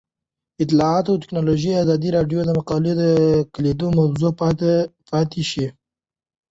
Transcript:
اطلاعاتی تکنالوژي د ازادي راډیو د مقالو کلیدي موضوع پاتې شوی.